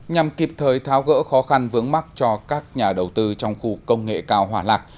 nhằm kịp thời tháo gỡ khó khăn vướng mắt cho các nhà đầu tư trong khu công nghệ cao hỏa lạc